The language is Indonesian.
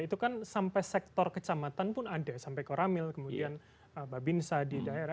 itu kan sampai sektor kecamatan pun ada sampai koramil kemudian babinsa di daerah